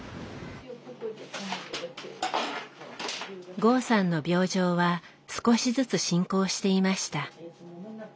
剛さんの病状は少しずつ進行していました。